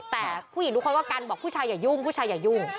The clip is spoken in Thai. แต่ผู้หญิงทุกคนว่ากันบอกผู้ชายอย่ายุ่งผู้ชายอย่ายุ่ง